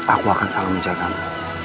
aku akan selalu menjagamu